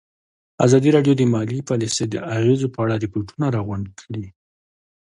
ازادي راډیو د مالي پالیسي د اغېزو په اړه ریپوټونه راغونډ کړي.